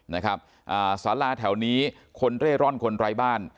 นะครับอ่าสาราแถวนี้คนเร่ร่อนคนไร้บ้าน